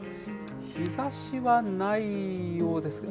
日ざしはないようです。